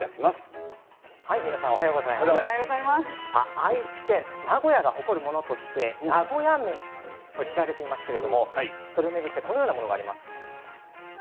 愛知県名古屋が誇るものとして名古屋めし知られていますけれどもそれを巡ってこのようなものがあります。